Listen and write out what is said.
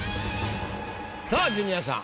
⁉さあジュニアさん。